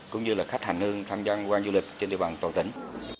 cũng như là khách hành hương tham gia quan du lịch trên địa bàn toàn tỉnh